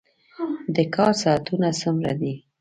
د کار ساعتونه څومره دي؟